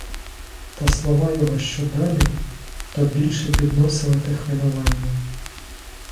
Та слова його що далі, то більше підносили те хвилювання.